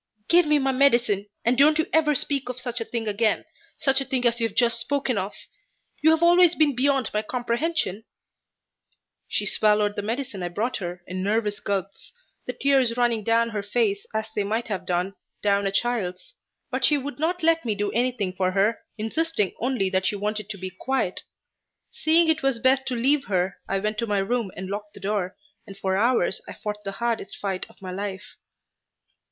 "Give me my medicine, and don't ever speak of such a thing again such a thing as you have just spoken of! You have always been beyond my comprehension." She swallowed the medicine I brought her in nervous gulps, the tears running down her face as they might have done down a child's, but she would not let me do anything for her, insisting only that she wanted to be quiet. Seeing it was best to leave her, I went to my room and locked the door, and for hours I fought the hardest fight of my life.